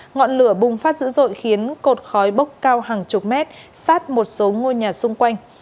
ngọn lửa bùng phát dữ dội khiến cột khói bốc cao hàng chục mét sát một số ngôi nhà xung quanh